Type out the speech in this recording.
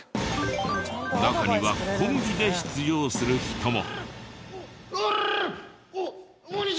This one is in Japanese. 中にはコンビで出場する人も。